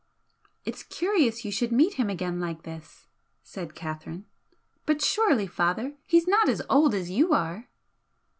"It's curious you should meet him again like this," said Catherine "But surely, father, he's not as old as you are?"